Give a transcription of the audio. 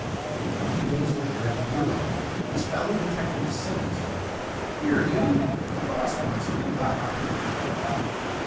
A few days later, at the Bureau, his fellow detective Simmonds hailed him. 'Here, you! The boss wants you. Buck up!'